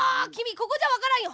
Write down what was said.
ここじゃわからんよ。